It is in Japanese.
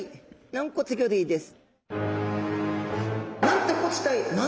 軟骨魚類です。